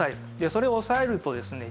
それを抑えるとですね